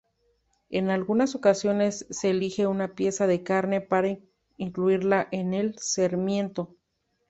En algunas ocasiones se elige una pieza de carne para incluirla en el sarmiento.